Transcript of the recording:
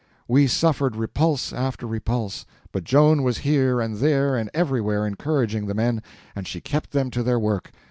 We suffered repulse after repulse, but Joan was here and there and everywhere encouraging the men, and she kept them to their work.